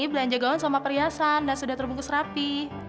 belanja gaun sama perhiasan dan sudah terbungkus rapi